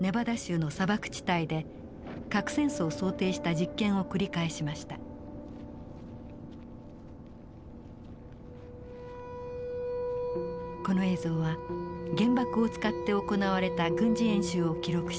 この映像は原爆を使って行われた軍事演習を記録したものです。